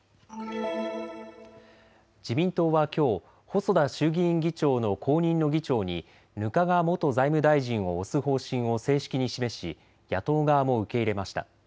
自民党はきょう細田衆議院議長の後任の議長に額賀元財務大臣を推す方針を正式に示し野党側も受け入れました。